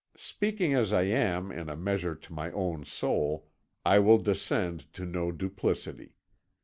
"Speaking as I am in a measure to my own soul, I will descend to no duplicity.